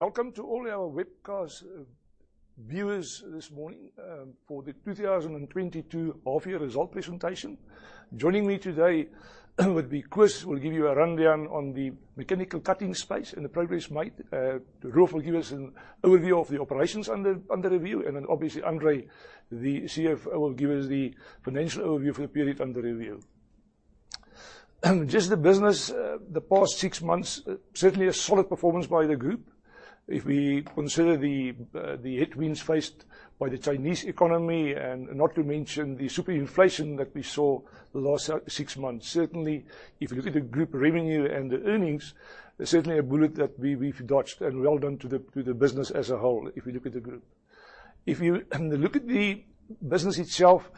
Welcome to all our webcast viewers this morning for the 2022 half-year results presentation. Joining me today would be Koos, will give you a rundown on the mechanical cutting space and the progress made. Roelof will give us an overview of the operations under review. Obviously André, the CFO, will give us the financial overview for the period under review. Just the business, the past six months, certainly a solid performance by the group. If we consider the headwinds faced by the Chinese economy and not to mention the super inflation that we saw the last six months. Certainly, if you look at the group revenue and the earnings, certainly a bullet that we've dodged and well done to the business as a whole if you look at the group. If you look at the business itself,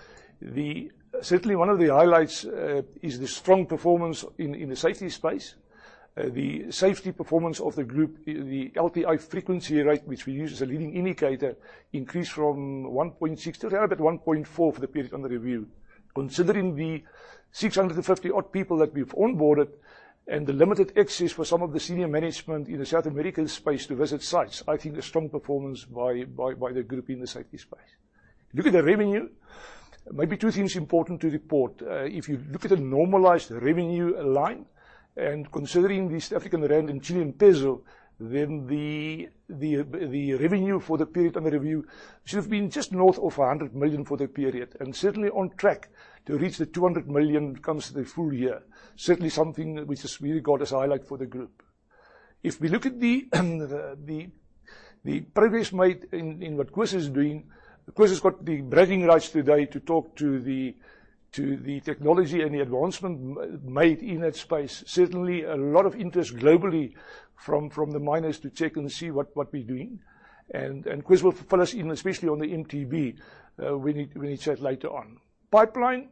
certainly one of the highlights is the strong performance in the safety space. The safety performance of the group, the LTI frequency rate, which we use as a leading indicator, increased from 1.6 to around about 1.4 for the period under review. Considering the 650 odd people that we've onboarded and the limited access for some of the senior management in the South American space to visit sites, I think a strong performance by the group in the safety space. Look at the revenue. Maybe two things important to report. If you look at the normalized revenue line and considering the South African rand and Chilean peso, then the revenue for the period under review should have been just north of 100 million for the period. Certainly on track to reach 200 million when it comes to the full year. Certainly something which has really got us excited for the group. If we look at the progress made in what Koos is doing, Koos has got the bragging rights today to talk about the technology and the advancement made in that space. Certainly a lot of interest globally from the miners to check and see what we're doing. Koos will fill us in, especially on the MTB, when he chats later on. Pipeline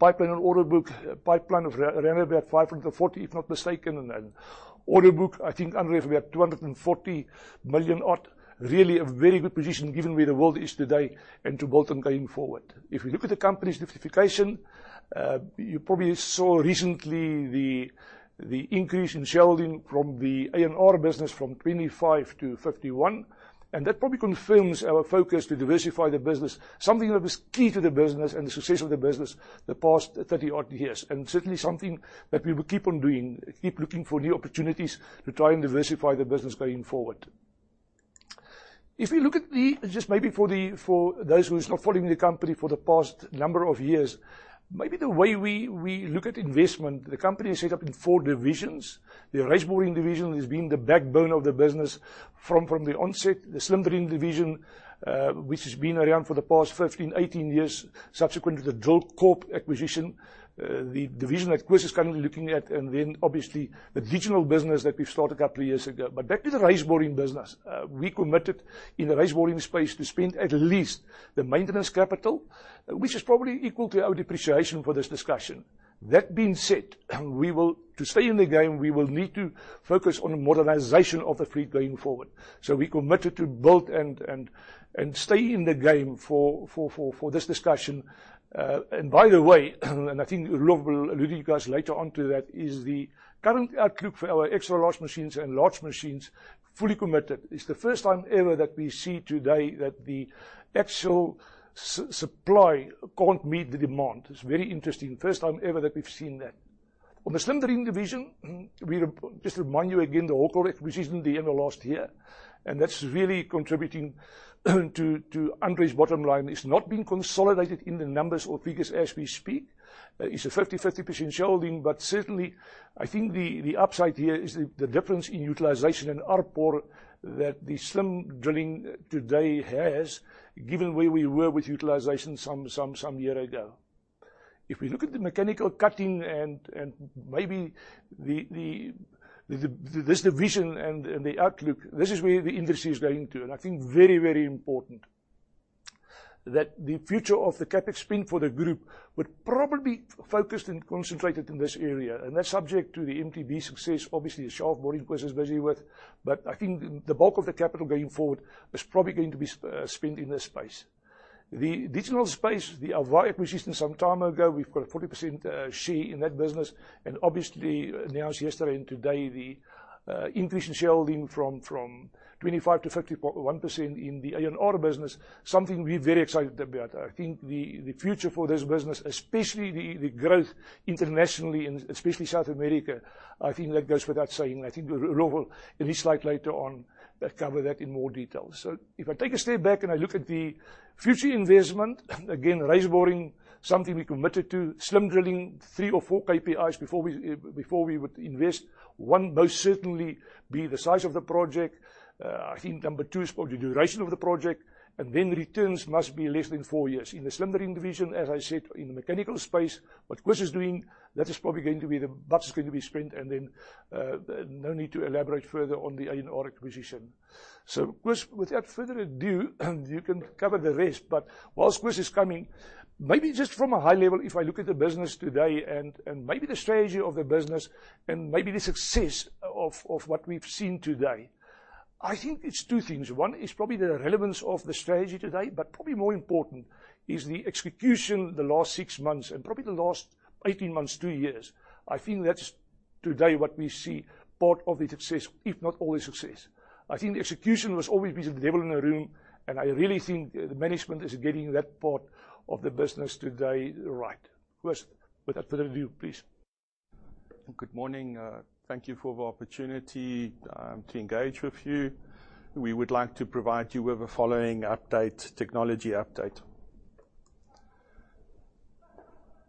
and order book. Pipeline of around 540, if not mistaken. Order book, I think André is about 240 million odd. Really a very good position given where the world is today and to build on going forward. If you look at the company's diversification, you probably saw recently the increase in shareholding in the A&R business from 25% to 51%, and that probably confirms our focus to diversify the business, something that was key to the business and the success of the business the past 30-odd years, and certainly something that we will keep on doing, keep looking for new opportunities to try and diversify the business going forward. Just maybe for those who is not following the company for the past number of years, maybe the way we look at investment, the company is set up in four divisions. The raise boring division has been the backbone of the business from the onset. The slim drilling division, which has been around for the past 15, 18 years. Subsequently, the DrillCo acquisition, the division that Koos is currently looking at, and then obviously the digital business that we started a couple of years ago. Back to the raise boring business. We committed in the raise boring space to spend at least the maintenance capital, which is probably equal to our depreciation for this discussion. That being said, we will need to stay in the game, we will need to focus on modernization of the fleet going forward. We committed to build and stay in the game for this discussion. By the way, I think Roelof will allude to you guys later on to that, is the current outlook for our extra-large machines and large machines fully committed. It's the first time ever that we see today that the actual supply can't meet the demand. It's very interesting. First time ever that we've seen that. On the slim drilling division, just to remind you again, the whole project, which is in the last year, and that's really contributing to André's bottom line. It's not been consolidated in the numbers or figures as we speak. It's a 50/50% sharing, but certainly I think the upside here is the difference in utilization and ARPU that the slim drilling today has given where we were with utilization some year ago. If we look at the mechanical cutting and maybe this division and the outlook, this is where the industry is going to. I think very important that the future of the CapEx spend for the group would probably focused and concentrated in this area. That's subject to the MTB success, obviously the shaft boring Koos is busy with. I think the bulk of the capital going forward is probably going to be spent in this space. The digital space, the AVA acquisition some time ago, we've got a 40% share in that business. Obviously announced yesterday and today the increase in shareholding from 25% to 50.1% in the A&R business, something we're very excited about. I think the future for this business, especially the growth internationally and especially South America, I think that goes without saying. I think Roel will, in his slide later on, cover that in more detail. If I take a step back and I look at the future investment, again, raise boring, something we committed to. Slim drilling, three or four KPIs before we would invest. One most certainly is the size of the project. I think number two is probably the duration of the project, and then returns must be less than four years. In the slim drilling division, as I said, in the mechanical space, what Koos is doing, that is probably where the bucks are going to be spent and then, no need to elaborate further on the A&R acquisition. Koos, without further ado, you can cover the rest. While Koos is coming, maybe just from a high level, if I look at the business today and maybe the strategy of the business and maybe the success of what we've seen today, I think it's two things. One is probably the relevance of the strategy today, but probably more important is the execution in the last six months and probably the last 18 months, two years. I think that's today what we see part of the success, if not all the success. I think the execution was always been the devil in the room, and I really think the management is getting that part of the business today right. Wes, without further ado, please. Good morning. Thank you for the opportunity to engage with you. We would like to provide you with the following update, technology update.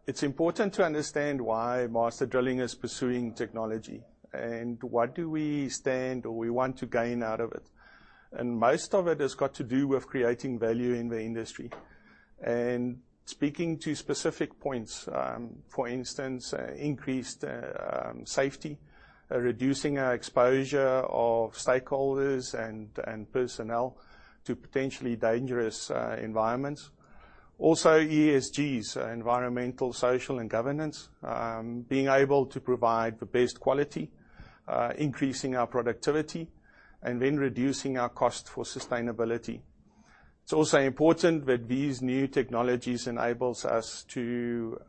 It's important to understand why Master Drilling is pursuing technology and what do we stand or we want to gain out of it. Most of it has got to do with creating value in the industry. Speaking to specific points, for instance, increased safety, reducing our exposure of stakeholders and personnel to potentially dangerous environments. Also ESGs, environmental, social, and governance. Being able to provide the best quality, increasing our productivity, and then reducing our cost for sustainability. It's also important that these new technologies enables us to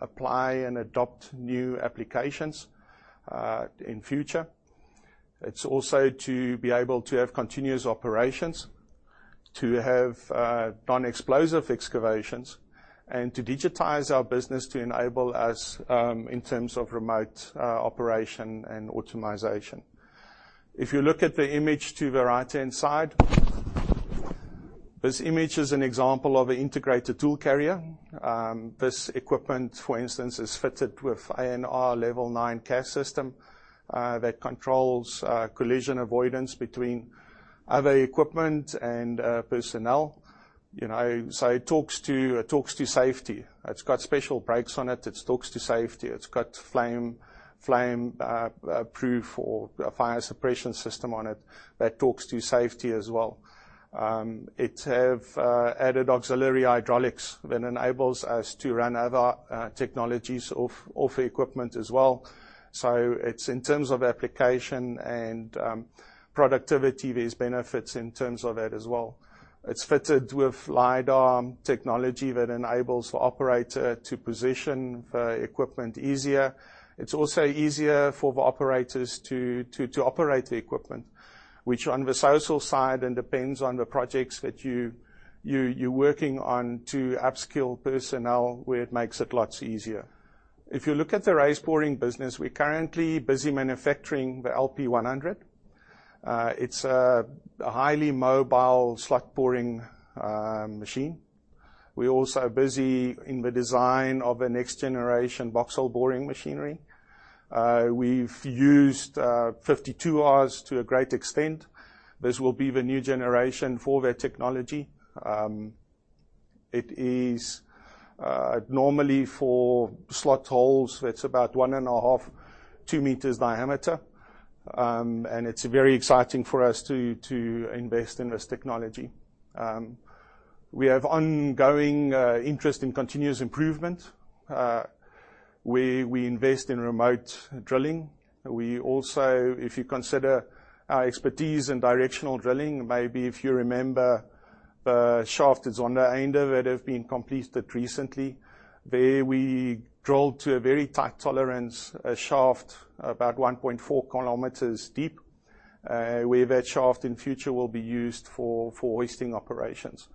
apply and adopt new applications in future. It's also to be able to have continuous operations, to have non-explosive excavations, and to digitize our business to enable us in terms of remote operation and automation. If you look at the image to the right-hand side, this image is an example of an integrated tool carrier. This equipment, for instance, is fitted with ANR level 9 CAS system that controls collision avoidance between other equipment and personnel. You know, so it talks to safety. It's got special brakes on it. It talks to safety. It's got flameproof or a fire suppression system on it that talks to safety as well. It have added auxiliary hydraulics that enables us to run other technologies of equipment as well. It's in terms of application and productivity, there's benefits in terms of that as well. It's fitted with LiDAR technology that enables the operator to position the equipment easier. It's also easier for the operators to operate the equipment, which on the social side and depends on the projects that you working on to up-skill personnel where it makes it lots easier. If you look at the raise boring business, we're currently busy manufacturing the LP100. It's a highly mobile slot boring machine. We're also busy in the design of a next generation boxhole boring machinery. We've used 52Rs to a great extent. This will be the new generation for their technology. It is normally for slot holes that's about 1.5-2 meters diameter. It's very exciting for us to invest in this technology. We have ongoing interest in continuous improvement. We invest in remote drilling. We also, if you consider our expertise in directional drilling, maybe if you remember the shaft at Zondereinde that have been completed recently, there we drilled to a very tight tolerance a shaft about 1.4 km deep. Where that shaft in future will be used for hoisting operations.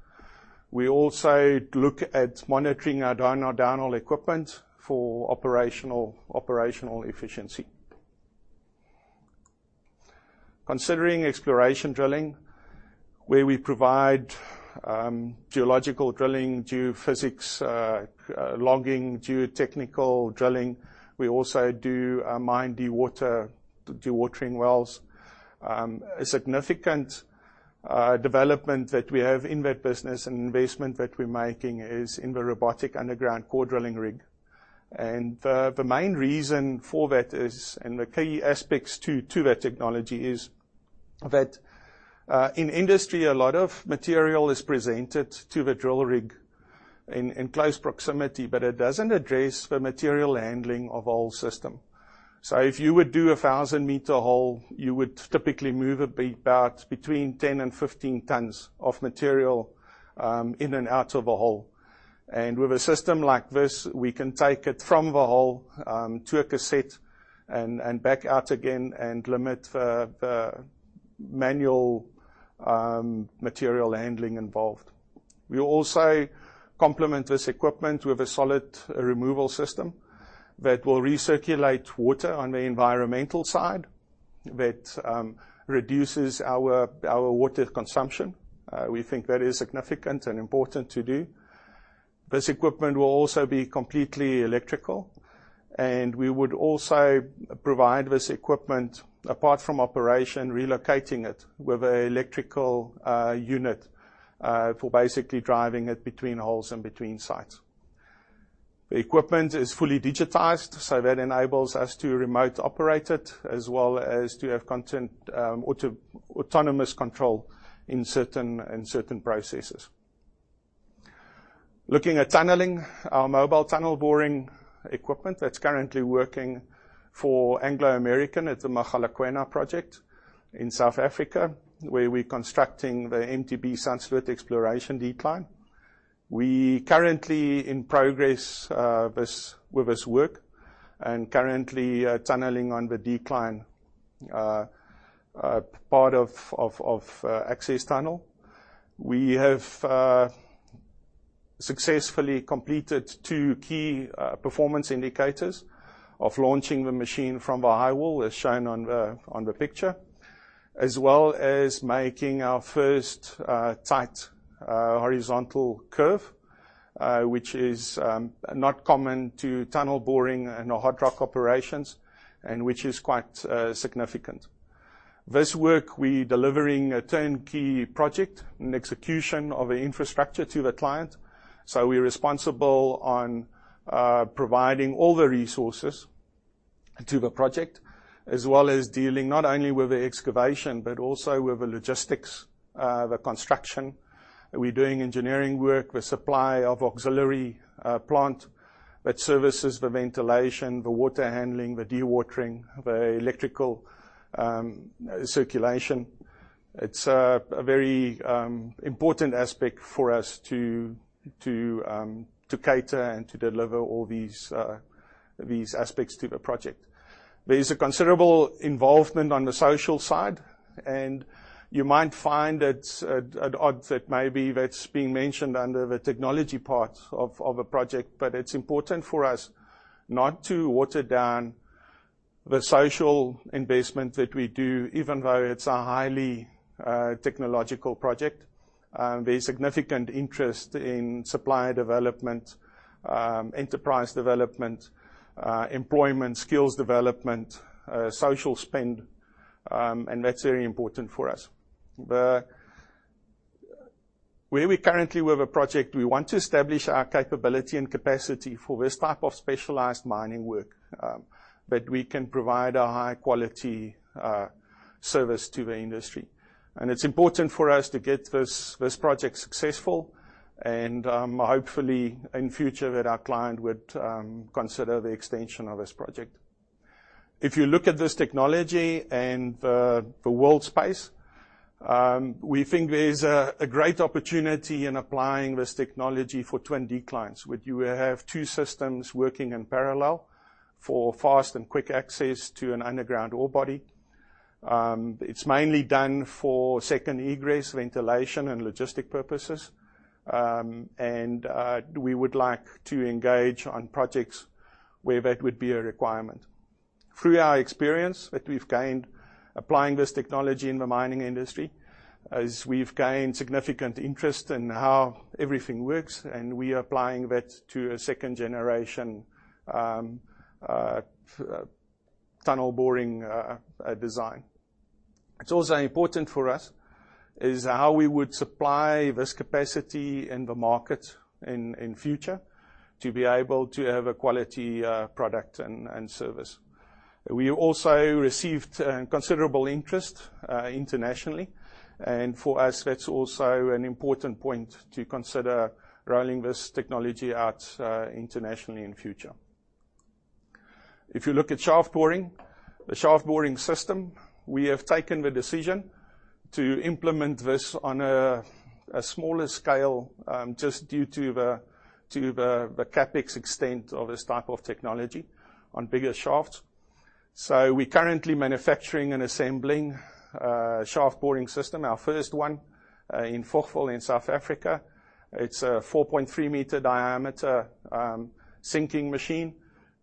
We also look at monitoring our downhole equipment for operational efficiency. Considering exploration drilling, where we provide geological drilling, geophysics, logging, geotechnical drilling. We also do mine dewatering wells. A significant development that we have in that business and investment that we're making is in the robotic underground core drilling rig. The main reason for that is, and the key aspects to that technology is that, in industry, a lot of material is presented to the drill rig in close proximity, but it doesn't address the material handling of whole system. If you would do a 1,000-meter hole, you would typically move about between 10 and 15 tons of material, in and out of a hole. With a system like this, we can take it from the hole, to a cassette and back out again and limit the manual material handling involved. We also complement this equipment with a solid removal system that will recirculate water on the environmental side, that reduces our water consumption. We think that is significant and important to do. This equipment will also be completely electrical, and we would also provide this equipment, apart from operation, relocating it with an electrical unit for basically driving it between holes and between sites. The equipment is fully digitized, so that enables us to remotely operate it as well as to have constant autonomous control in certain processes. Looking at tunneling, our mobile tunnel boring equipment that's currently working for Anglo American at the Mogalakwena project in South Africa, where we're constructing the MTB Sundsvall exploration decline. We are currently in progress with this work and currently tunneling on the decline, part of access tunnel. We have successfully completed two key performance indicators of launching the machine from the high wall, as shown on the picture, as well as making our first tight horizontal curve, which is not common to tunnel boring and hard rock operations and which is quite significant. This work we're delivering a turnkey project and execution of infrastructure to the client, so we're responsible for providing all the resources to the project as well as dealing not only with the excavation but also with the logistics, the construction. We're doing engineering work, the supply of auxiliary plant that services the ventilation, the water handling, the dewatering, the electrical circulation. It's a very important aspect for us to cater and to deliver all these aspects to the project. There is a considerable involvement on the social side, and you might find that's at odds that maybe that's being mentioned under the technology part of a project. It's important for us not to water down the social investment that we do, even though it's a highly technological project. There's significant interest in supplier development, enterprise development, employment skills development, social spend, and that's very important for us. Where we currently with the project, we want to establish our capability and capacity for this type of specialized mining work, that we can provide a high-quality service to the industry. It's important for us to get this project successful and, hopefully in future that our client would consider the extension of this project. If you look at this technology and the world space, we think there's a great opportunity in applying this technology for twin declines, where you will have two systems working in parallel for fast and quick access to an underground ore body. It's mainly done for second egress, ventilation, and logistic purposes. We would like to engage on projects where that would be a requirement. Through our experience that we've gained applying this technology in the mining industry is we've gained significant interest in how everything works, and we are applying that to a second-generation tunnel boring design. It's also important for us is how we would supply this capacity in the market in future to be able to have a quality product and service. We also received considerable interest internationally, and for us, that's also an important point to consider rolling this technology out internationally in future. If you look at shaft boring, the Shaft Boring System, we have taken the decision to implement this on a smaller scale just due to the CapEx extent of this type of technology on bigger shafts. We're currently manufacturing and assembling a Shaft Boring System, our first one, in Fochville in South Africa. It's a 4.3-meter diameter sinking machine.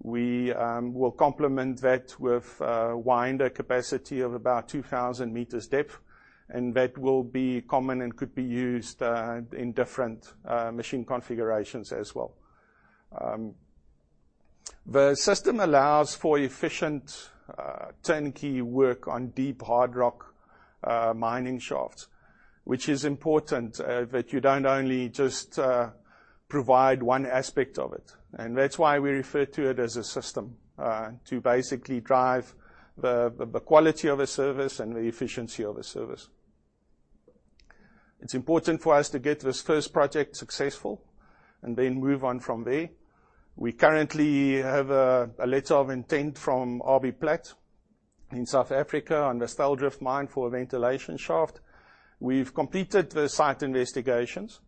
We will complement that with winder capacity of about 2,000 meters depth, and that will be common and could be used in different machine configurations as well. The system allows for efficient turnkey work on deep hard rock mining shafts, which is important that you don't only just provide one aspect of it. That's why we refer to it as a system to basically drive the quality of a service and the efficiency of a service. It's important for us to get this first project successful and then move on from there. We currently have a letter of intent from RBPlat in South Africa on the Styldrift Mine for a ventilation shaft. We've completed the site investigations,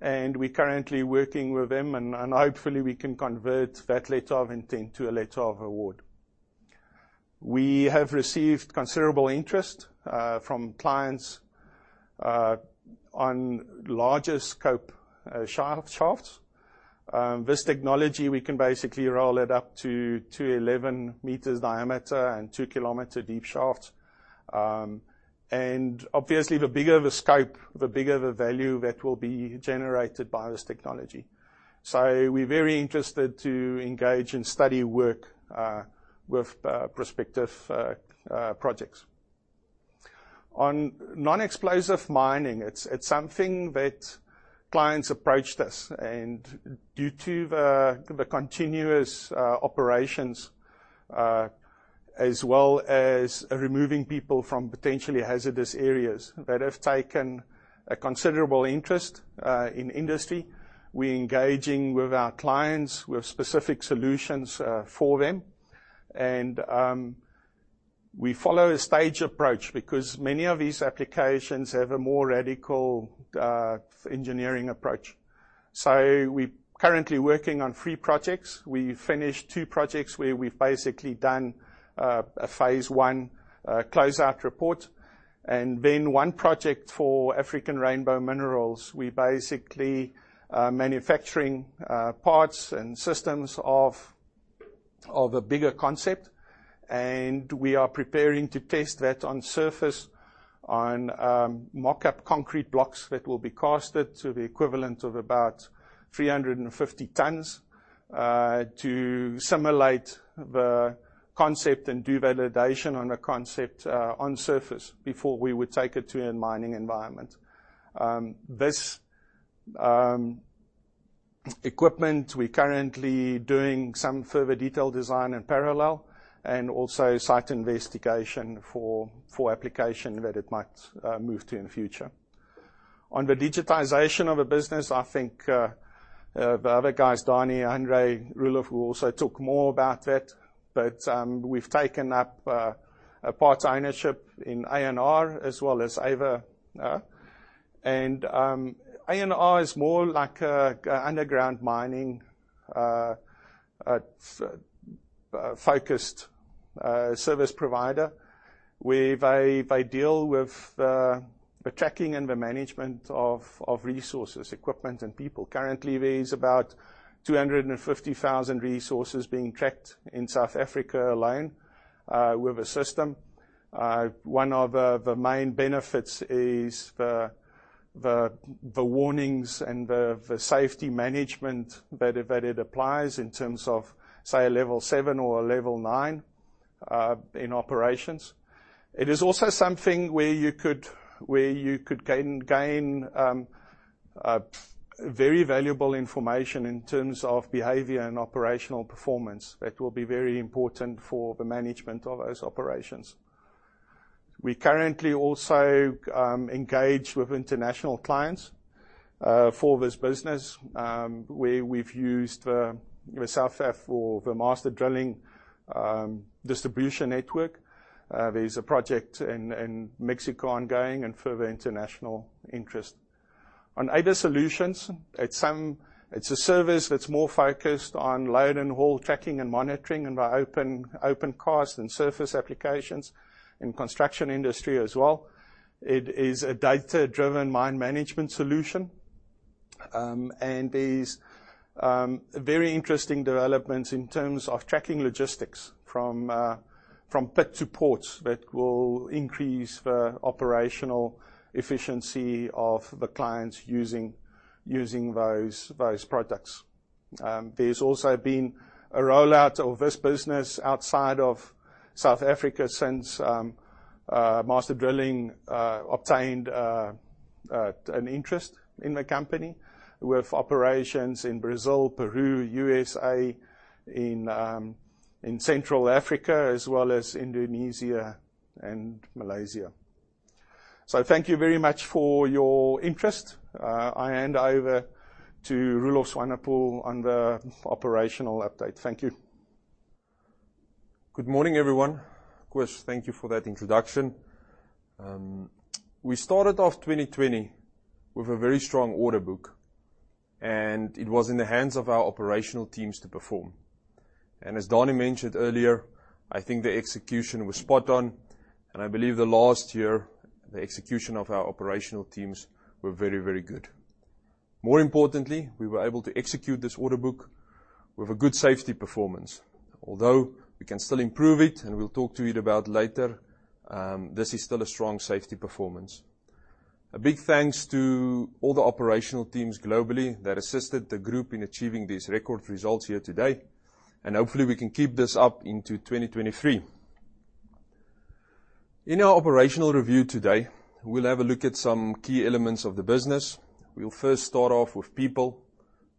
and we're currently working with them, and hopefully, we can convert that letter of intent to a letter of award. We have received considerable interest from clients on larger scope shafts. This technology, we can basically roll it up to 211 meters diameter and two-kilometer-deep shafts. Obviously, the bigger the scope, the bigger the value that will be generated by this technology. We're very interested to engage in study work with prospective projects. On non-explosive mining, it's something that clients approached us. Due to the continuous operations as well as removing people from potentially hazardous areas, that have taken a considerable interest in industry. We're engaging with our clients with specific solutions for them. We follow a stage approach because many of these applications have a more radical engineering approach. We currently working on three projects. We finished two projects where we've basically done a phase one closeout report, and then one project for African Rainbow Minerals. We basically manufacturing parts and systems of a bigger concept, and we are preparing to test that on surface on mock-up concrete blocks that will be cast to the equivalent of about 350 tons to simulate the concept and do validation on a concept on surface before we would take it to a mining environment. This equipment, we're currently doing some further detail design in parallel and also site investigation for application that it might move to in the future. On the digitization of a business, I think the other guys, Daniël, André, Roelof, will also talk more about that, but we've taken up a partial ownership in A&R as well as AVA. A&R is more like an underground mining focused service provider, where they deal with the tracking and the management of resources, equipment, and people. Currently, there is about 250,000 resources being tracked in South Africa alone with the system. One of the main benefits is the warnings and the safety management that it applies in terms of, say, a level seven or a level nine in operations. It is also something where you could gain very valuable information in terms of behavior and operational performance that will be very important for the management of those operations. We currently also engage with international clients for this business where we've used the South Africa for the Master Drilling distribution network. There's a project in Mexico ongoing and further international interest. On AVA Solutions, it's a service that's more focused on load and haul tracking and monitoring and by open cast and surface applications in construction industry as well. It is a data-driven mine management solution and there's very interesting developments in terms of tracking logistics from pit to ports that will increase the operational efficiency of the clients using those products. There's also been a rollout of this business outside of South Africa since Master Drilling obtained an interest in the company with operations in Brazil, Peru, USA, in Central Africa, as well as Indonesia and Malaysia. Thank you very much for your interest. I hand over to Roelof Swanepoel on the operational update. Thank you. Good morning, everyone. Koos, thank you for that introduction. We started off 2020 with a very strong order book, and it was in the hands of our operational teams to perform. As Danny mentioned earlier, I think the execution was spot on, and I believe the last year, the execution of our operational teams were very, very good. More importantly, we were able to execute this order book with a good safety performance, although we can still improve it, and we'll talk about it later, this is still a strong safety performance. A big thanks to all the operational teams globally that assisted the group in achieving these record results here today, and hopefully we can keep this up into 2023. In our operational review today, we'll have a look at some key elements of the business. We'll first start off with people,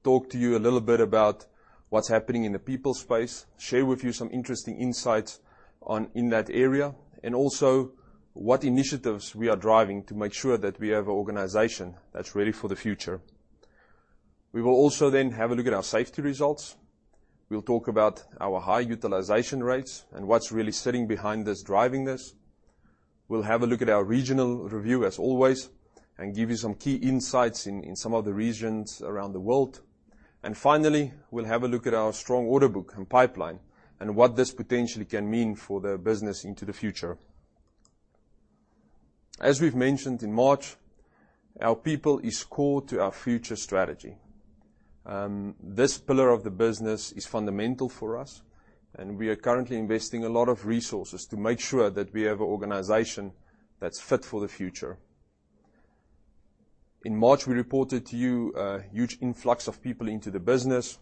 talk to you a little bit about what's happening in the people space, share with you some interesting insights in that area, and also what initiatives we are driving to make sure that we have an organization that's ready for the future. We will also then have a look at our safety results. We'll talk about our high utilization rates and what's really sitting behind this, driving this. We'll have a look at our regional review as always and give you some key insights in some of the regions around the world. Finally, we'll have a look at our strong order book and pipeline and what this potentially can mean for the business into the future. As we've mentioned in March, our people is core to our future strategy. This pillar of the business is fundamental for us, and we are currently investing a lot of resources to make sure that we have an organization that's fit for the future. In March, we reported to you a huge influx of people into the business.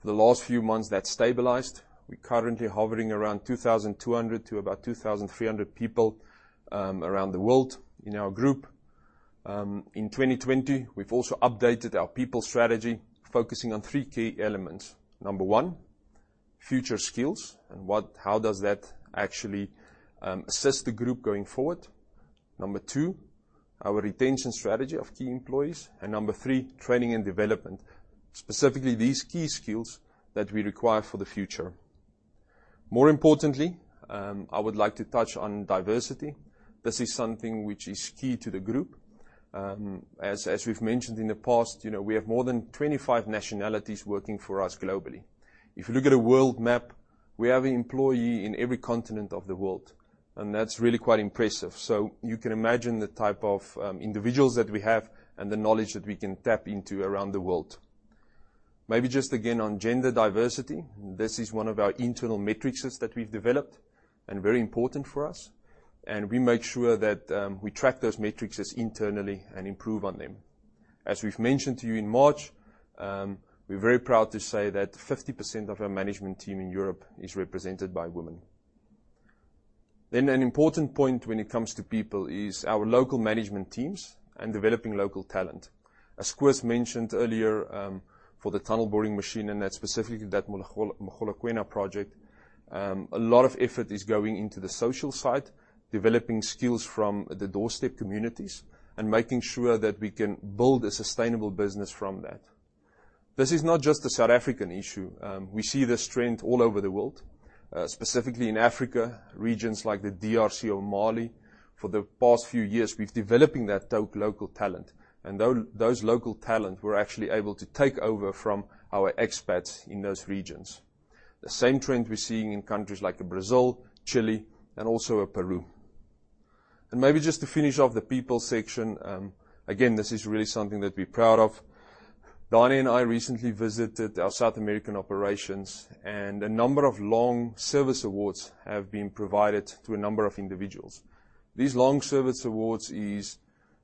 For the last few months, that stabilized. We're currently hovering around 2,200 to about 2,300 people around the world in our group. In 2020, we've also updated our people strategy, focusing on three key elements. Number one, future skills and how does that actually assist the group going forward? Number two, our retention strategy of key employees. Number three, training and development, specifically these key skills that we require for the future. More importantly, I would like to touch on diversity. This is something which is key to the group. As we've mentioned in the past, you know, we have more than 25 nationalities working for us globally. If you look at a world map, we have an employee in every continent of the world, and that's really quite impressive. You can imagine the type of individuals that we have and the knowledge that we can tap into around the world. Maybe just again on gender diversity, this is one of our internal metrics that we've developed and very important for us, and we make sure that we track those metrics internally and improve on them. As we've mentioned to you in March, we're very proud to say that 50% of our management team in Europe is represented by women. An important point when it comes to people is our local management teams and developing local talent. As Koos mentioned earlier, for the tunnel boring machine and specifically that Mogalakwena project, a lot of effort is going into the social side, developing skills from the doorstep communities and making sure that we can build a sustainable business from that. This is not just a South African issue. We see this trend all over the world, specifically in Africa, regions like the DRC or Mali. For the past few years, we've been developing that top local talent, and those local talent were actually able to take over from our expats in those regions. The same trend we're seeing in countries like Brazil, Chile, and also Peru. Maybe just to finish off the people section, again, this is really something that we're proud of. Danie and I recently visited our South American operations, and a number of long service awards have been provided to a number of individuals. These long service awards is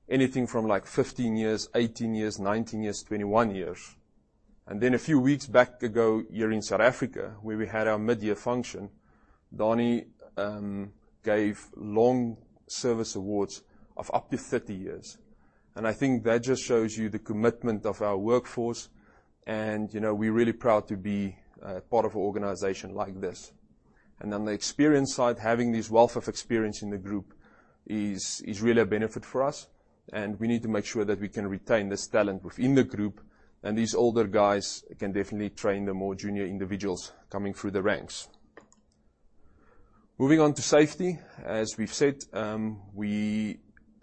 anything from like 15 years, 18 years, 19 years, 21 years. Then a few weeks back ago here in South Africa, where we had our mid-year function, Daniel, gave long service awards of up to 30 years. I think that just shows you the commitment of our workforce, and, you know, we're really proud to be, part of an organization like this. On the experience side, having this wealth of experience in the group is really a benefit for us, and we need to make sure that we can retain this talent within the group, and these older guys can definitely train the more junior individuals coming through the ranks. Moving on to safety. As we've said, we've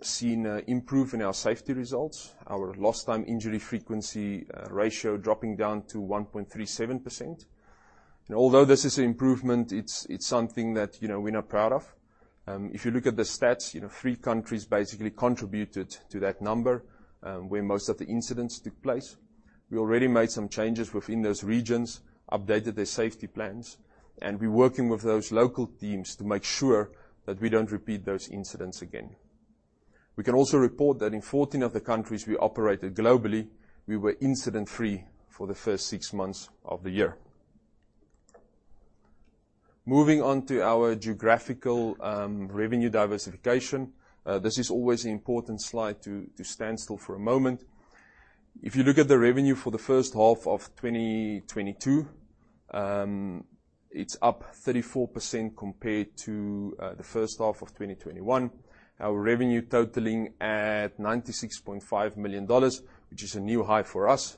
seen an improvement in our safety results, our Lost Time Injury Frequency Rate dropping down to 1.37%. Although this is improvement, it's something that, you know, we're not proud of. If you look at the stats, you know, three countries basically contributed to that number, where most of the incidents took place. We already made some changes within those regions, updated their safety plans, and we're working with those local teams to make sure that we don't repeat those incidents again. We can also report that in 14 of the countries we operated globally, we were incident-free for the first six months of the year. Moving on to our geographical revenue diversification. This is always an important slide to stand still for a moment. If you look at the revenue for the first half of 2022, it's up 34% compared to the first half of 2021. Our revenue totaling at $96.5 million, which is a new high for us.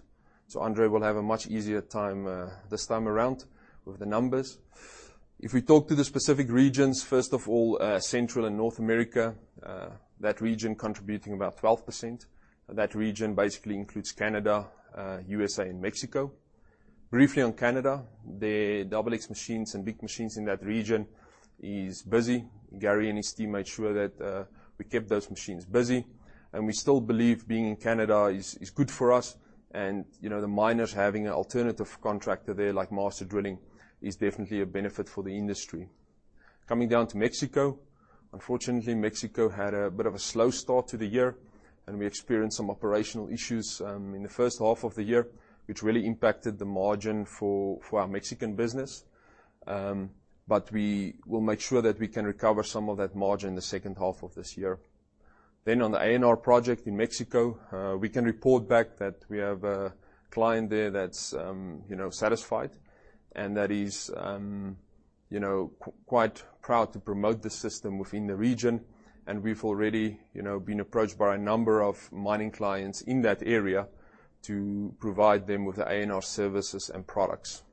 André will have a much easier time this time around with the numbers. If we talk to the specific regions, first of all, Central and North America, that region contributing about 12%. That region basically includes Canada, USA and Mexico. Briefly on Canada, the double XL machines and big machines in that region is busy. Gary and his team made sure that we kept those machines busy, and we still believe being in Canada is good for us. You know, the miners having an alternative contractor there like Master Drilling is definitely a benefit for the industry. Coming down to Mexico, unfortunately, Mexico had a bit of a slow start to the year and we experienced some operational issues in the first half of the year, which really impacted the margin for our Mexican business. But we will make sure that we can recover some of that margin in the second half of this year. On the A&R project in Mexico, we can report back that we have a client there that's, you know, satisfied and that is, you know, quite proud to promote the system within the region. We've already, you know, been approached by a number of mining clients in that area to provide them with the A&R services and products.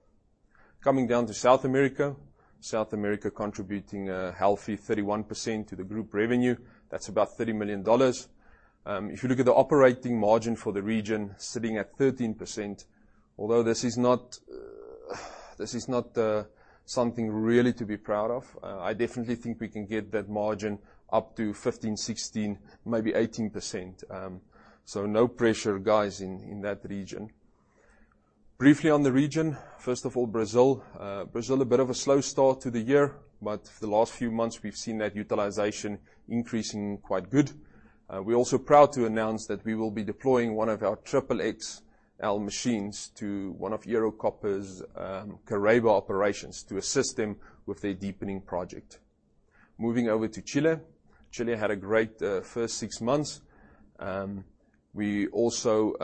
Coming down to South America. South America contributing a healthy 31% to the group revenue. That's about $30 million. If you look at the operating margin for the region sitting at 13%, although this is not something really to be proud of, I definitely think we can get that margin up to 15%, 16%, maybe 18%. No pressure guys in that region. Briefly on the region. First of all, Brazil. Brazil, a bit of a slow start to the year, but for the last few months we've seen that utilization increasing quite good. We're also proud to announce that we will be deploying one of our triple XL machines to one of Ero Copper's Caraíba operations to assist them with their deepening project. Moving over to Chile. Chile had a great first six months. We also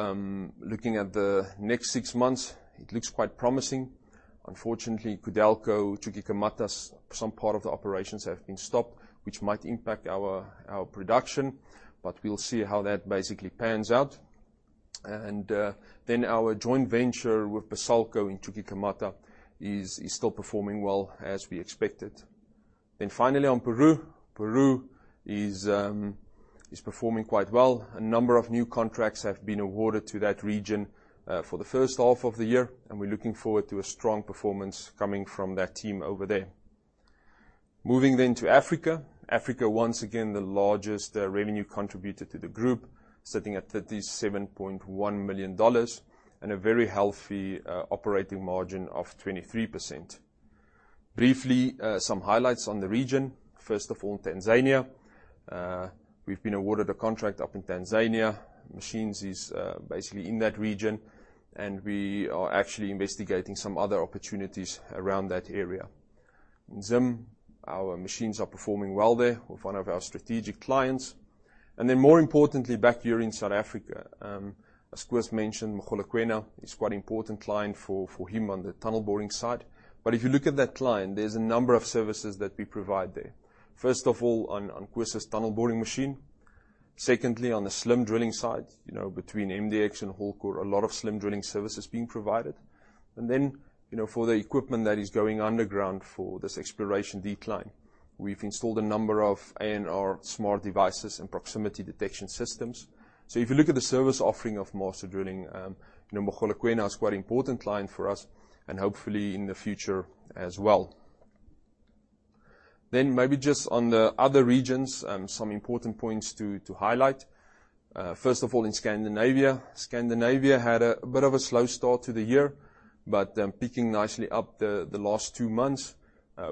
looking at the next six months, it looks quite promising. Unfortunately, Codelco Chuquicamata, some part of the operations have been stopped, which might impact our production, but we'll see how that basically pans out. Our joint venture with Pasco in Chuquicamata is still performing well as we expected. Finally on Peru. Peru is performing quite well. A number of new contracts have been awarded to that region for the first half of the year, and we're looking forward to a strong performance coming from that team over there. Moving to Africa. Africa, once again, the largest revenue contributor to the group, sitting at $37.1 million and a very healthy operating margin of 23%. Briefly, some highlights on the region. First of all, Tanzania. We've been awarded a contract up in Tanzania. Machines is basically in that region, and we are actually investigating some other opportunities around that area. In Zim, our machines are performing well there with one of our strategic clients. More importantly back here in South Africa, as Koos mentioned, Mogalakwena is quite an important client for him on the tunnel boring side. If you look at that client, there's a number of services that we provide there. First of all, on Koos's tunnel boring machine. Secondly, on the slim drilling side, you know, between MDX and Holecore, a lot of slim drilling services being provided. Then, you know, for the equipment that is going underground for this exploration decline. We've installed a number of A&R smart devices and proximity detection systems. If you look at the service offering of Master Drilling, you know, Mogalakwena is quite an important client for us and hopefully in the future as well. Maybe just on the other regions, some important points to highlight. First of all, in Scandinavia. Scandinavia had a bit of a slow start to the year, but picking nicely up the last two months.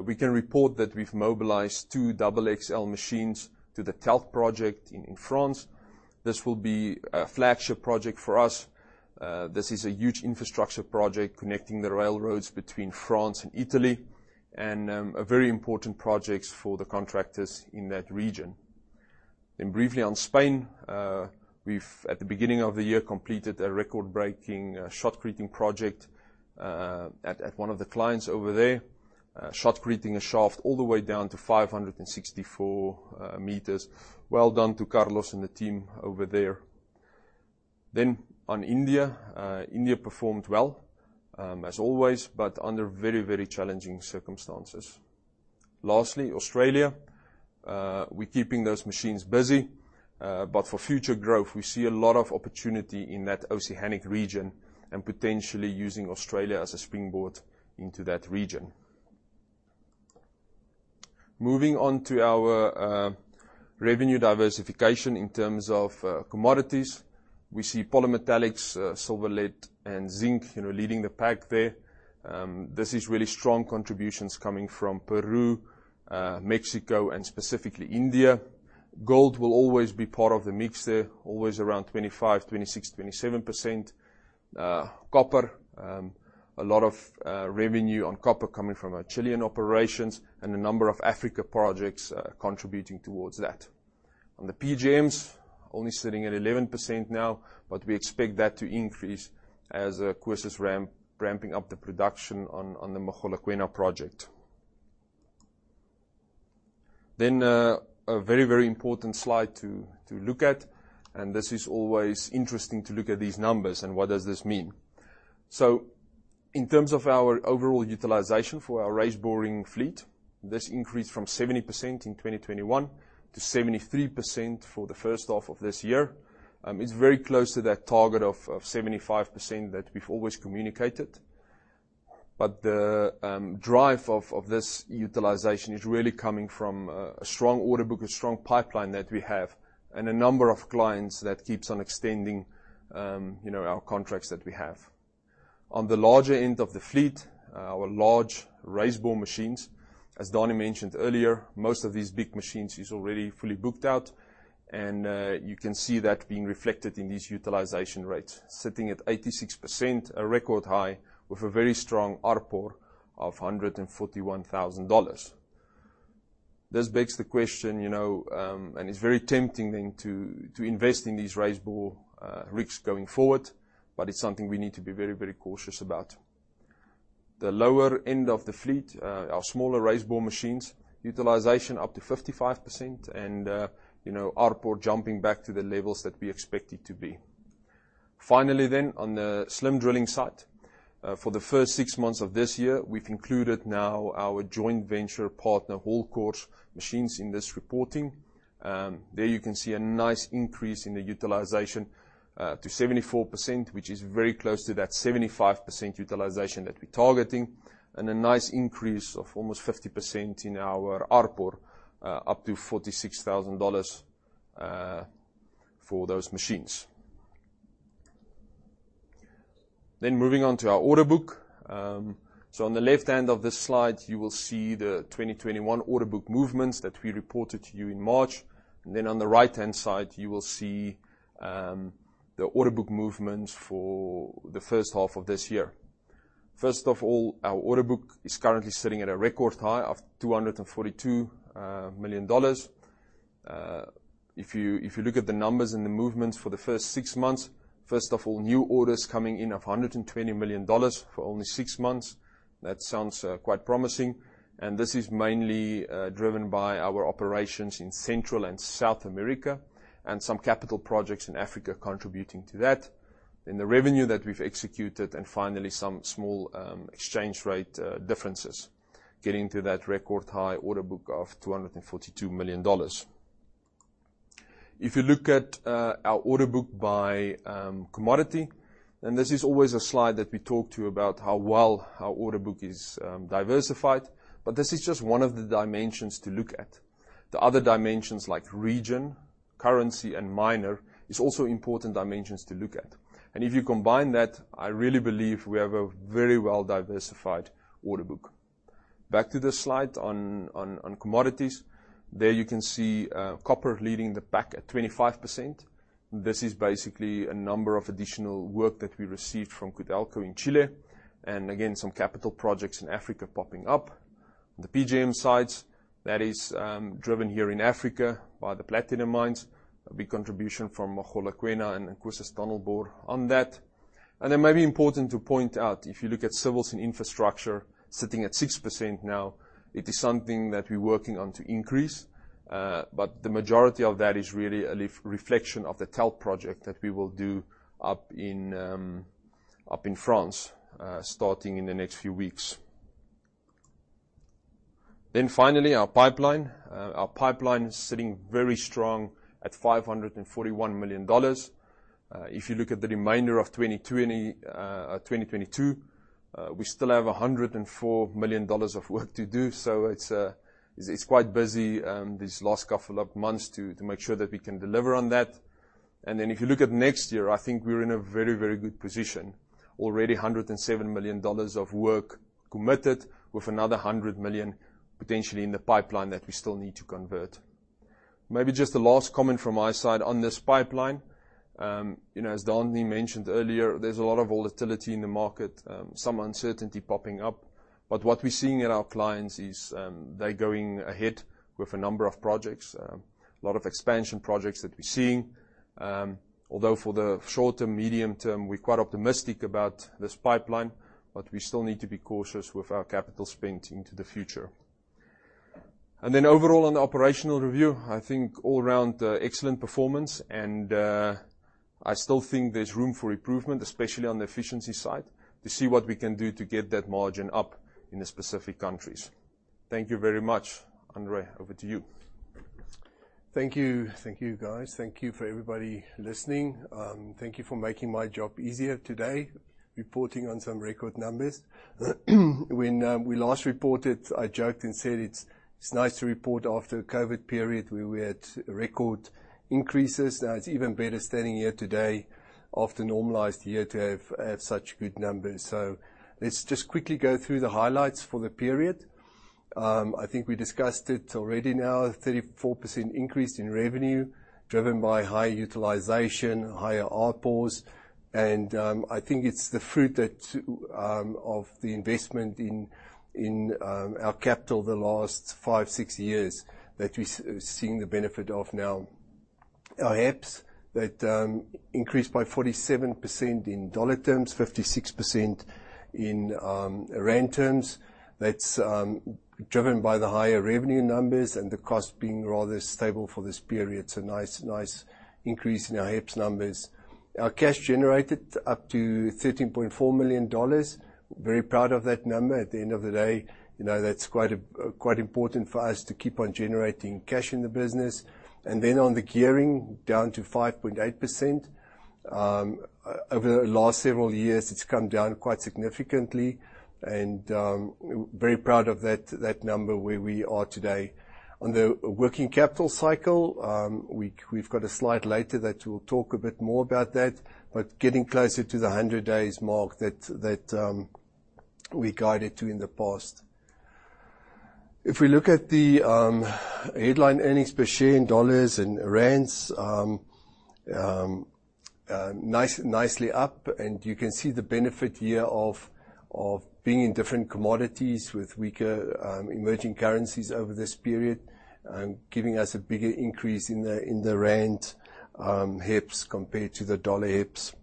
We can report that we've mobilized two double XL machines to the TELT project in France. This will be a flagship project for us. This is a huge infrastructure project connecting the railroads between France and Italy and a very important project for the contractors in that region. Briefly on Spain. We've at the beginning of the year completed a record-breaking shotcreting project at one of the clients over there. Shotcreting a shaft all the way down to 564 meters. Well done to Carlos and the team over there. On India. India performed well, as always, but under very, very challenging circumstances. Lastly, Australia. We're keeping those machines busy. But for future growth, we see a lot of opportunity in that Oceanic region and potentially using Australia as a springboard into that region. Moving on to our revenue diversification in terms of commodities. We see polymetallics, silver, lead, and zinc, you know, leading the pack there. This is really strong contributions coming from Peru, Mexico, and specifically India. Gold will always be part of the mix there, always around 25%-27%. Copper, a lot of revenue on copper coming from our Chilean operations and a number of African projects contributing towards that. On the PGMs, only sitting at 11% now, but we expect that to increase as Koos is ramping up the production on the Mogalakwena project. A very important slide to look at, and this is always interesting to look at these numbers and what does this mean. In terms of our overall utilization for our raise boring fleet, this increased from 70% in 2021 to 73% for the first half of this year. It's very close to that target of 75% that we've always communicated. The drive of this utilization is really coming from a strong order book, a strong pipeline that we have, and a number of clients that keeps on extending, you know, our contracts that we have. On the larger end of the fleet, our large raise bore machines, as Danie mentioned earlier, most of these big machines is already fully booked out and you can see that being reflected in these utilization rates. Sitting at 86%, a record high with a very strong ARPU of $141,000. This begs the question, you know, and it's very tempting then to invest in these raise bore rigs going forward, but it's something we need to be very, very cautious about. The lower end of the fleet, our smaller raise bore machines, utilization up to 55% and, you know, ARPU jumping back to the levels that we expect it to be. Finally, on the slim drilling side. For the first six months of this year, we've included now our joint venture partner, Holecore Machines, in this reporting. There you can see a nice increase in the utilization, to 74%, which is very close to that 75% utilization that we're targeting. A nice increase of almost 50% in our ARPU, up to $46,000, for those machines. Moving on to our order book. On the left hand of this slide, you will see the 2021 order book movements that we reported to you in March. Then on the right-hand side, you will see the order book movements for the first half of this year. First of all, our order book is currently sitting at a record high of $242 million. If you look at the numbers and the movements for the first six months, first of all, new orders coming in of $120 million for only six months. That sounds quite promising. This is mainly driven by our operations in Central and South America and some capital projects in Africa contributing to that. The revenue that we've executed and finally some small exchange rate differences getting to that record high order book of $242 million. If you look at our order book by commodity, and this is always a slide that we talk to about how well our order book is diversified, but this is just one of the dimensions to look at. The other dimensions like region, currency, and miner, is also important dimensions to look at. If you combine that, I really believe we have a very well-diversified order book. Back to this slide on commodities. There you can see, copper leading the pack at 25%. This is basically a number of additional work that we received from Codelco in Chile, and again, some capital projects in Africa popping up. The PGM sites, that is, driven here in Africa by the platinum mines, a big contribution from Mogalakwena and Nkusu Tunnel Bore on that. It may be important to point out, if you look at civils and infrastructure sitting at 6% now, it is something that we're working on to increase, but the majority of that is really a reflection of the TELT project that we will do up in France, starting in the next few weeks. Finally, our pipeline. Our pipeline is sitting very strong at $541 million. If you look at the remainder of 2022, we still have $104 million of work to do. It's quite busy these last couple of months to make sure that we can deliver on that. Then if you look at next year, I think we're in a very, very good position. Already $107 million of work committed with another $100 million potentially in the pipeline that we still need to convert. Maybe just a last comment from my side on this pipeline. You know, as Daniel mentioned earlier, there's a lot of volatility in the market, some uncertainty popping up. What we're seeing in our clients is, they're going ahead with a number of projects, a lot of expansion projects that we're seeing. Although for the short-term, medium term, we're quite optimistic about this pipeline, but we still need to be cautious with our capital spend into the future. Then overall on the operational review, I think all around excellent performance, and I still think there's room for improvement, especially on the efficiency side, to see what we can do to get that margin up in the specific countries. Thank you very much. André, over to you. Thank you. Thank you, guys. Thank you for everybody listening. Thank you for making my job easier today, reporting on some record numbers. When we last reported, I joked and said it's nice to report after a COVID period, we were at record increases. Now it's even better standing here today after a normalized year to have such good numbers. Let's just quickly go through the highlights for the period. I think we discussed it already now, 34% increase in revenue, driven by high utilization, higher output. I think it's the fruit of the investment in our capital the last five, six years that we seeing the benefit of now. Our EPS increased by 47% in dollar terms, 56% in rand terms. That's driven by the higher revenue numbers and the cost being rather stable for this period. Nice increase in our EPS numbers. Our cash generated up to $13.4 million. Very proud of that number. At the end of the day, you know, that's quite important for us to keep on generating cash in the business. On the gearing down to 5.8%. Over the last several years, it's come down quite significantly, and very proud of that number where we are today. On the working capital cycle, we've got a slide later that we'll talk a bit more about that, but getting closer to the 100 days mark that we guided to in the past. If we look at the headline earnings per share in dollars and rands, nicely up, and you can see the benefit here of being in different commodities with weaker emerging currencies over this period, giving us a bigger increase in the rand EPS compared to the dollar EPS.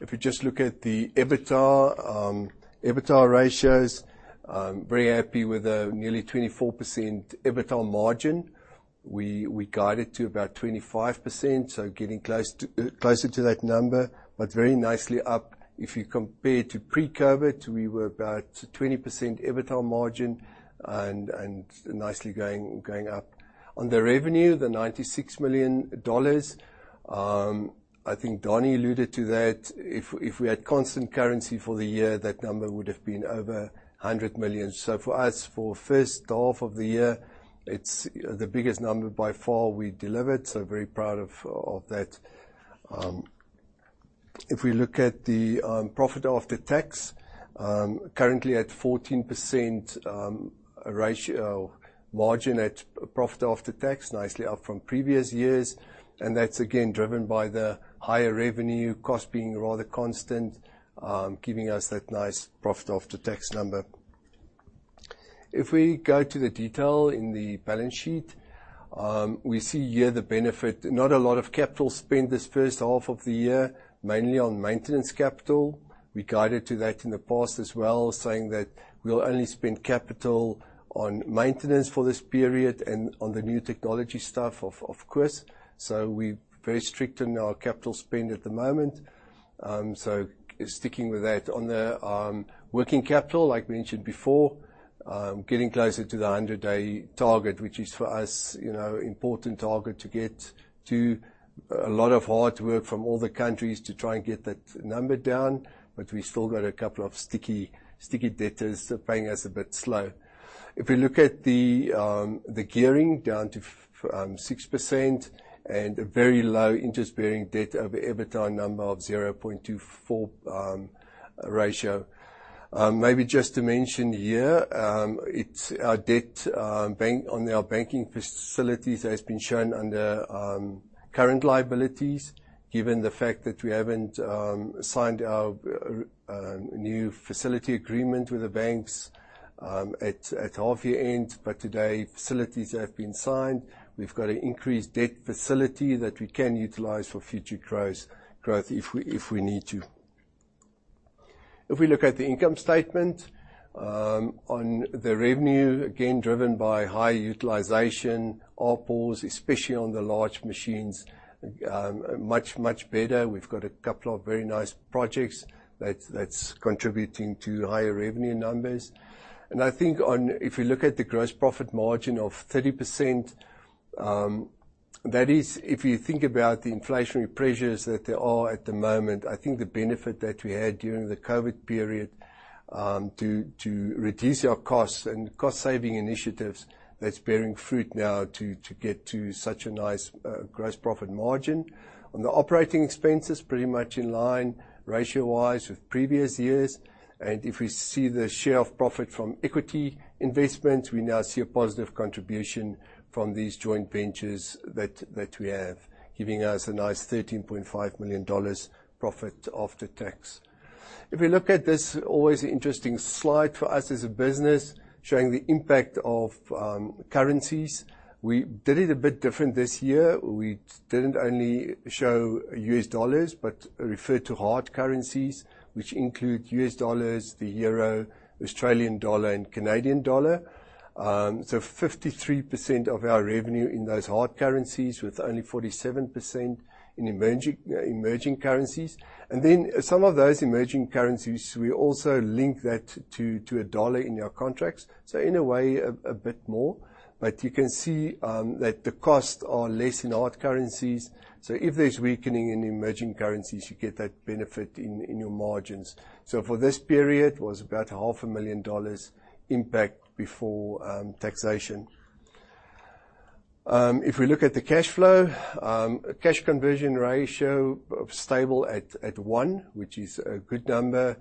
If you just look at the EBITDA ratios, very happy with the nearly 24% EBITDA margin. We guided to about 25%, so getting closer to that number, but very nicely up. If you compare to pre-COVID, we were about 20% EBITDA margin and nicely going up. On the revenue, the $96 million, I think Danie alluded to that. If we had constant currency for the year, that number would have been over $100 million. For us, for first half of the year, it's the biggest number by far we delivered. Very proud of that. If we look at the profit after tax, currently at 14%, margin at profit after tax, nicely up from previous years. That's again, driven by the higher revenue, cost being rather constant, giving us that nice profit after tax number. If we go to the detail in the balance sheet, we see here the benefit. Not a lot of capital spend this first half of the year, mainly on maintenance capital. We guided to that in the past as well, saying that we'll only spend capital on maintenance for this period and on the new technology stuff of course. We're very strict on our capital spend at the moment. Sticking with that. On the working capital, like mentioned before, getting closer to the 100-day target, which is for us, you know, important target to get to. A lot of hard work from all the countries to try and get that number down, but we've still got a couple of sticky debtors paying us a bit slow. If we look at the gearing down to 6% and a very low interest-bearing debt to EBITDA ratio of 0.24. Maybe just to mention here, it's our debt on our banking facilities has been shown under current liabilities, given the fact that we haven't signed our new facility agreement with the banks at half year end. But today, facilities have been signed. We've got an increased debt facility that we can utilize for future growth if we need to. If we look at the income statement, on the revenue, again driven by high utilization, ARPU, especially on the large machines, much better. We've got a couple of very nice projects that's contributing to higher revenue numbers. I think. If you look at the gross profit margin of 30%, that is, if you think about the inflationary pressures that there are at the moment, I think the benefit that we had during the COVID period to reduce our costs and cost-saving initiatives, that's bearing fruit now to get to such a nice gross profit margin. On the operating expenses, pretty much in line ratio-wise with previous years. If we see the share of profit from equity investments, we now see a positive contribution from these joint ventures that we have, giving us a nice $13.5 million profit after tax. If we look at this always interesting slide for us as a business, showing the impact of currencies. We did it a bit different this year. We didn't only show US dollars, but referred to hard currencies, which include US dollars, the euro, Australian dollar and Canadian dollar. 53% of our revenue in those hard currencies, with only 47% in emerging currencies. Some of those emerging currencies, we also link that to a dollar in our contracts. In a way, a bit more. You can see that the costs are less in hard currencies. If there's weakening in emerging currencies, you get that benefit in your margins. For this period was about half a million dollars impact before taxation. If we look at the cash flow, cash conversion ratio stable at one, which is a good number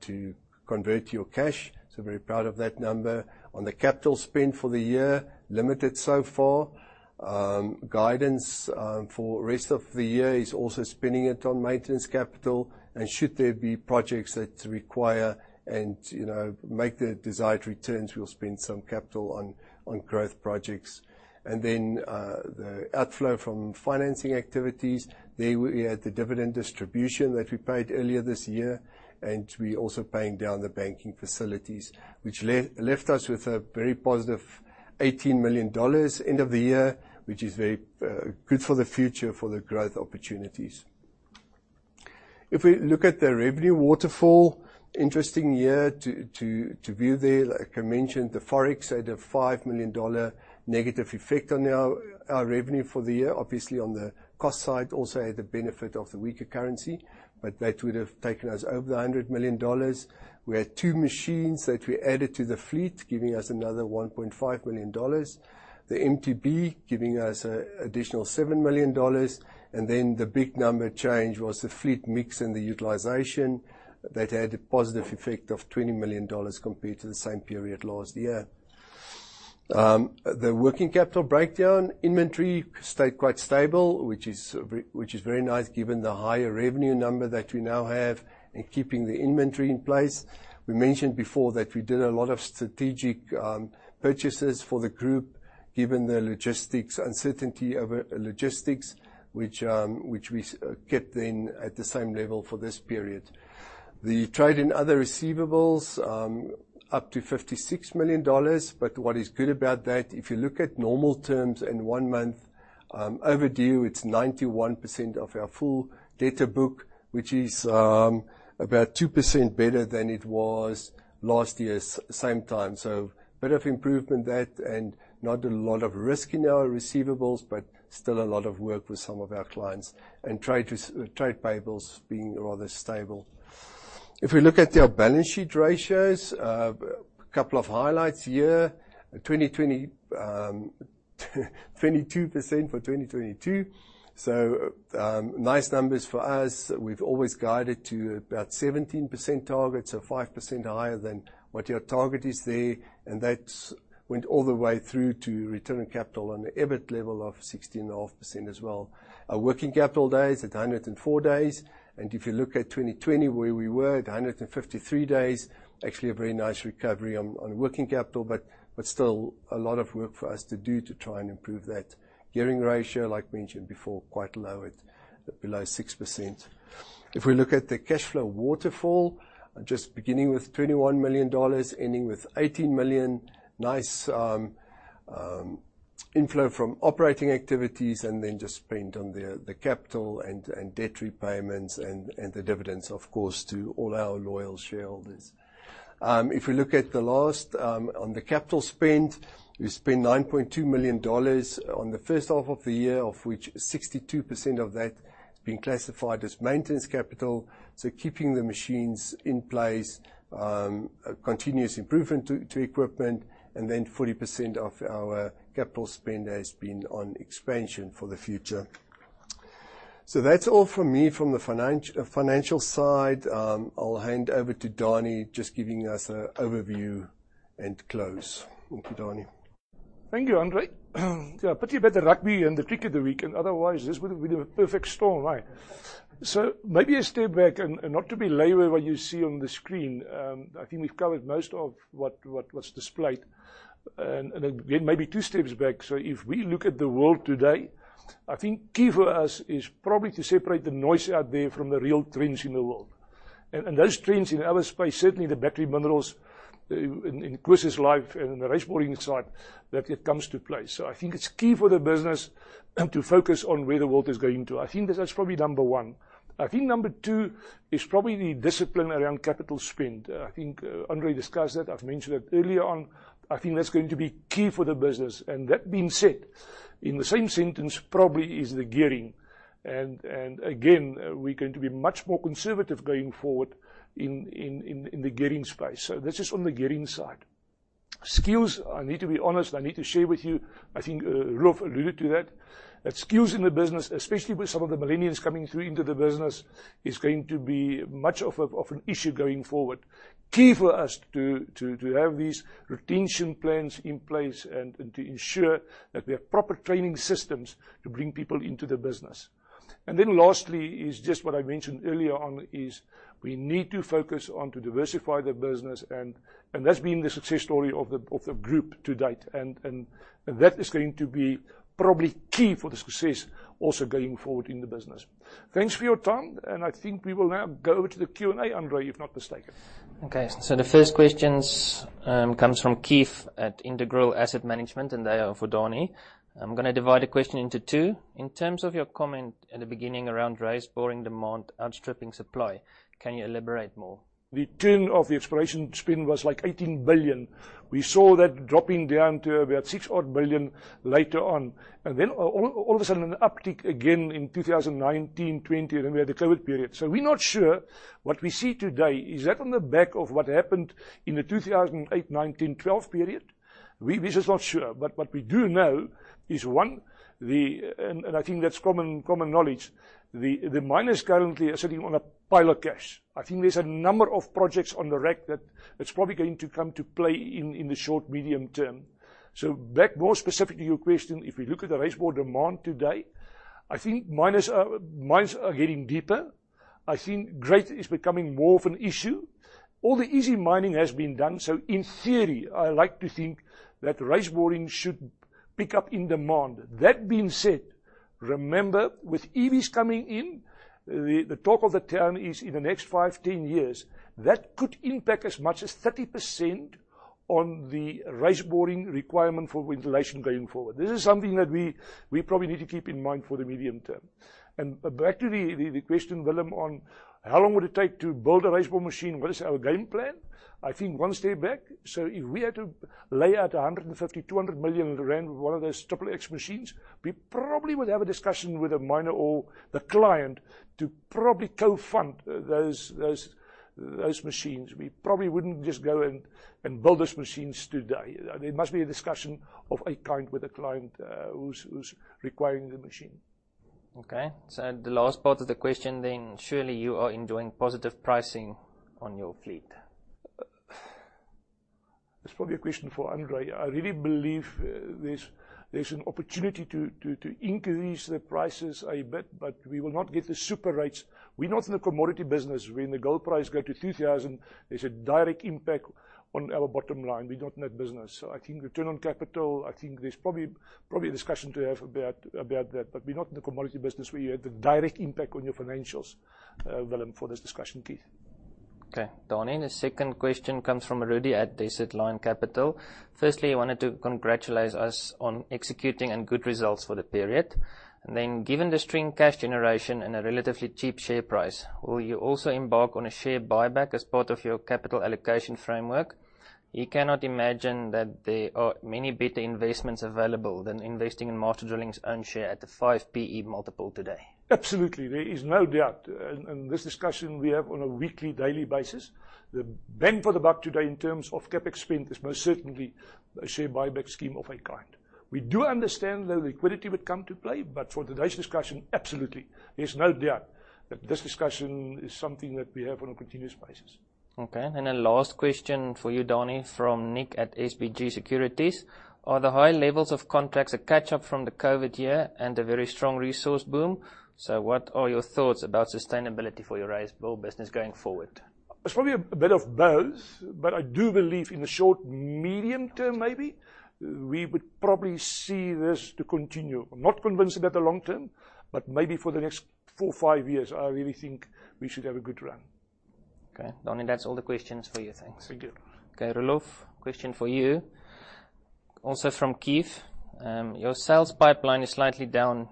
to convert your cash. Very proud of that number. On the capital spend for the year, limited so far. Guidance for rest of the year is also spending it on maintenance capital. Should there be projects that require and, you know, make the desired returns, we'll spend some capital on growth projects. Then, the outflow from financing activities. There we had the dividend distribution that we paid earlier this year. We're also paying down the banking facilities, which left us with a very positive $18 million end of the year, which is very good for the future for the growth opportunities. If we look at the revenue waterfall, interesting year to view there. Like I mentioned, the Forex had a $5 million negative effect on our revenue for the year. Obviously on the cost side, also had the benefit of the weaker currency, but that would have taken us over $100 million. We had two machines that we added to the fleet, giving us another $1.5 million. The MTB giving us an additional $7 million. Then the big number change was the fleet mix and the utilization that had a positive effect of $20 million compared to the same period last year. The working capital breakdown, inventory stayed quite stable, which is very nice given the higher revenue number that we now have in keeping the inventory in place. We mentioned before that we did a lot of strategic purchases for the group, given the logistics uncertainty over logistics, which we kept then at the same level for this period. The trade and other receivables up to $56 million. But what is good about that, if you look at normal terms in one month overdue, it's 91% of our full debtor book, which is about 2% better than it was last year's same time. A bit of improvement there and not a lot of risk in our receivables, but still a lot of work with some of our clients. Trade payables being rather stable. If we look at our balance sheet ratios, a couple of highlights here. 2020, 22% for 2022. Nice numbers for us. We've always guided to about 17% target, so 5% higher than what your target is there. That's went all the way through to return on capital on the EBIT level of 16.5% as well. Our working capital days at 104 days. If you look at 2020 where we were at 153 days, actually a very nice recovery on working capital, but still a lot of work for us to do to try and improve that. Gearing ratio, like mentioned before, quite low at below 6%. If we look at the cash flow waterfall, just beginning with $21 million, ending with $18 million. Nice, inflow from operating activities and then just spent on the capital and debt repayments and the dividends, of course, to all our loyal shareholders. If we look at the latter, on the capital spend, we spent $9.2 million on the first half of the year, of which 62% of that has been classified as maintenance capital. Keeping the machines in place, continuous improvement to equipment, and then 40% of our capital spend has been on expansion for the future. That's all from me from the financial side. I'll hand over to Danie, just giving us an overview and close. Thank you, Daniel. Thank you, André. Yeah, pity about the rugby and the cricket the weekend. Otherwise, this would have been a perfect storm, hey. Maybe a step back and not to be labor what you see on the screen. I think we've covered most of what's displayed. Again, maybe two steps back. If we look at the world today, I think key for us is probably to separate the noise out there from the real trends in the world. Those trends in our space, certainly the battery minerals, in cycle life and the raise boring side that it comes to play. I think it's key for the business to focus on where the world is going to. I think that that's probably number one. I think number two is probably the discipline around capital spend. I think, André discussed that. I've mentioned that earlier on. I think that's going to be key for the business. That being said, in the same sentence probably is the gearing. Again, we're going to be much more conservative going forward in the gearing space. That's just on the gearing side. Skills, I need to be honest, I need to share with you. I think, Roelof alluded to that. That skills in the business, especially with some of the millennials coming through into the business, is going to be much of an issue going forward. Key for us to have these retention plans in place and to ensure that we have proper training systems to bring people into the business. Lastly is just what I mentioned earlier on is we need to focus on to diversify the business, and that's been the success story of the group to date. That is going to be probably key for the success also going forward in the business. Thanks for your time, and I think we will now go to the Q&A, André, if not mistaken. Okay. The first questions comes from Keith at Integral Asset Management, and they are for Daniel. I'm gonna divide the question into two. In terms of your comment at the beginning around raise boring demand outstripping supply, can you elaborate more? The turn of the exploration spend was like 18 billion. We saw that dropping down to about 6 billion later on. Then all of a sudden an uptick again in 2019, 2020, then we had the COVID period. We're not sure what we see today. Is that on the back of what happened in the 2008-2012 period? We're just not sure. What we do know is, one, and I think that's common knowledge. The miners currently are sitting on a pile of cash. I think there's a number of projects on the rack that is probably going to come to play in the short, medium term. Back more specifically to your question, if we look at the raise bore demand today, I think mines are getting deeper. I think grade is becoming more of an issue. All the easy mining has been done, so in theory, I like to think that raise boring should pick up in demand. That being said, remember, with EVs coming in, the talk of the town is in the next five, 10 years, that could impact as much as 30% on the raise boring requirement for ventilation going forward. This is something that we probably need to keep in mind for the medium term. Back to the question, Willem, on how long would it take to build a raise bore machine? What is our game plan? I think one step back. If we had to lay out 150-200 million rand with one of those triple XL machines, we probably would have a discussion with a miner or the client to probably co-fund those machines. We probably wouldn't just go and build those machines today. There must be a discussion of a kind with a client who's requiring the machine. Okay. The last part of the question then, surely you are enjoying positive pricing on your fleet. That's probably a question for André. I really believe there's an opportunity to increase the prices a bit, but we will not get the super rates. We're not in the commodity business. When the gold price go to $2,000, there's a direct impact on our bottom line. We're not in that business. I think return on capital, I think there's probably a discussion to have about that. We're not in the commodity business where you have the direct impact on your financials, Willem, for this discussion, Keith. Okay, Daniël, the second question comes from Rudy at Desert Lion Capital. Firstly, he wanted to congratulate us on execution and good results for the period. Given the strong cash generation and a relatively cheap share price, will you also embark on a share buyback as part of your capital allocation framework? He cannot imagine that there are many better investments available than investing in Master Drilling Group's own share at the 5 PE multiple today. Absolutely. There is no doubt. This discussion we have on a weekly, daily basis. The bang for the buck today in terms of CapEx spend is most certainly a share buyback scheme of a kind. We do understand the liquidity would come to play, but for today's discussion, absolutely. There's no doubt that this discussion is something that we have on a continuous basis. Okay. Last question for you, Daniel, from Nick at SBG Securities. Are the high levels of contracts a catch-up from the COVID year and a very strong resource boom? What are your thoughts about sustainability for your raise bore business going forward? It's probably a bit of both, but I do believe in the short, medium term maybe, we would probably see this to continue. I'm not convinced about the long term, but maybe for the next four or five years, I really think we should have a good run. Okay. Daniël, that's all the questions for you. Thanks. Thank you. Okay, Roelof, question for you. Also from Keith. Your sales pipeline is slightly down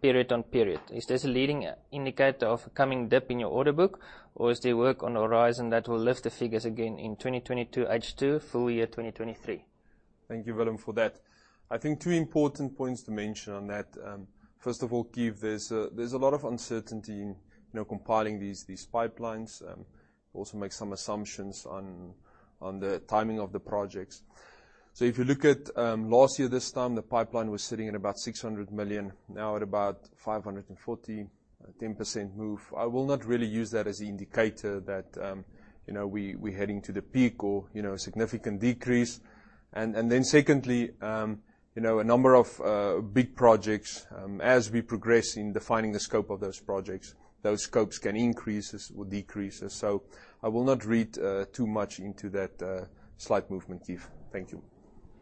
period-on-period. Is this a leading indicator of a coming dip in your order book? Or is there work on the horizon that will lift the figures again in 2022 H2 full year 2023? Thank you, Willem, for that. I think two important points to mention on that. First of all, Keith, there's a lot of uncertainty in, you know, compiling these pipelines. Also make some assumptions on the timing of the projects. If you look at last year, this time, the pipeline was sitting at about 600 million, now at about 540 million, a 10% move. I will not really use that as an indicator that, you know, we heading to the peak or, you know, a significant decrease. Then secondly, you know, a number of big projects, as we progress in defining the scope of those projects, those scopes can increase or decrease as so. I will not read too much into that slight movement, Keith. Thank you.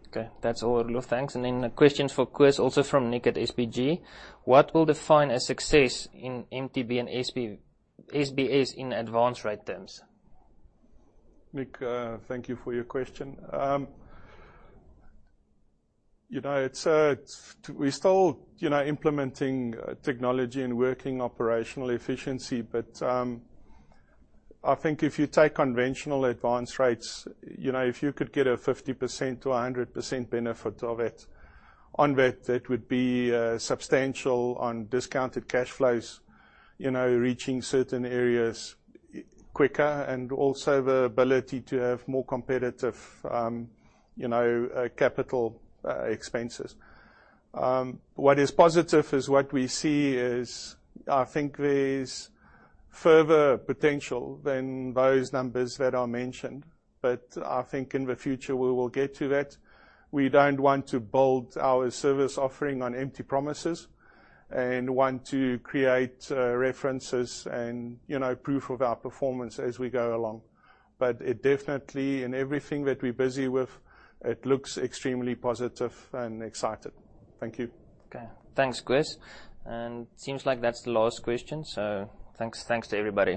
Okay. That's all, Roelof. Thanks. A question for Koos, also from Nick at SBG. What will define a success in MTB and SBS in advance rate terms? Nick, thank you for your question. You know, we're still, you know, implementing technology and working operational efficiency, but I think if you take conventional advance rates, you know, if you could get a 50%-100% benefit of it, on that would be substantial on discounted cash flows, you know, reaching certain areas quicker and also the ability to have more competitive, you know, capital expenses. What is positive is what we see is, I think there's further potential than those numbers that are mentioned, but I think in the future, we will get to that. We don't want to build our service offering on empty promises and want to create references and, you know, proof of our performance as we go along. It definitely, in everything that we're busy with, it looks extremely positive and exciting. Thank you. Okay. Thanks, Koos. Seems like that's the last question. Thanks, thanks to everybody.